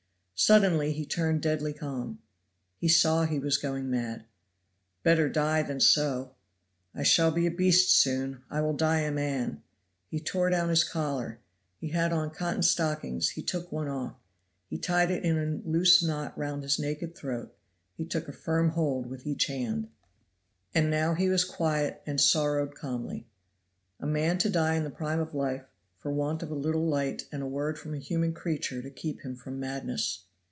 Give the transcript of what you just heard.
Suddenly he turned deadly calm. He saw he was going mad better die than so "I shall be a beast soon I will die a man" he tore down his collar he had on cotton stockings; he took one off he tied it in a loose knot round his naked throat he took a firm hold with each hand. And now he was quiet and sorrowed calmly. A man to die in the prime of life for want of a little light and a word from a human creature to keep him from madness.